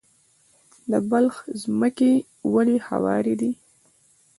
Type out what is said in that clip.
د بلخ ځمکې ولې هوارې دي؟